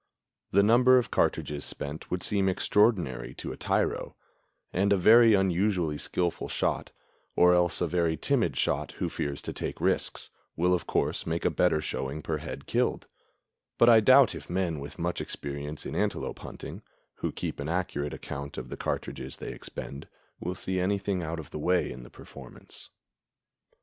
The number of cartridges spent would seem extraordinary to a tyro; and a very unusually skillful shot, or else a very timid shot who fears to take risks, will of course make a better showing per head killed; but I doubt if men with much experience in antelope hunting, who keep an accurate account of the cartridges they expend, will see anything out of the way in the performance.